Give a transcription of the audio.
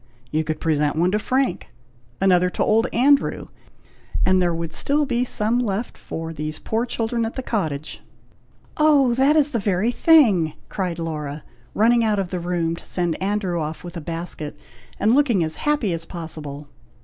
You could present one to Frank, another to old Andrew, and there would still be some left for these poor children at the cottage." "Oh! that is the very thing!" cried Laura, running out of the room to send Andrew off with a basket, and looking as happy as possible.